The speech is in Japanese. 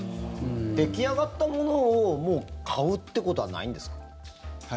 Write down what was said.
出来上がったものを買うってことはないんですか。